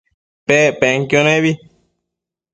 Pec penquio nebi